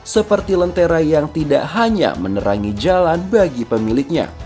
seperti lentera yang tidak hanya menerangi jalan bagi pemiliknya